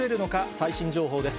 最新情報です。